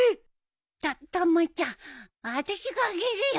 たったまちゃんあたしがあげるよ！